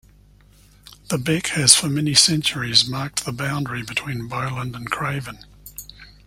The Beck has for many centuries marked the boundary between Bowland and Craven.